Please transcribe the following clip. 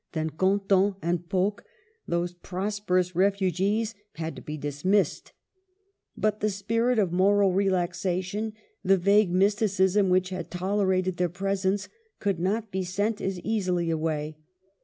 Then Quentin and Pocques, those prosperous refugees, had to be dismissed ; but the spirit of moral relaxation, the vague mysticism which had tolerated their presence, could not be sent as easily away.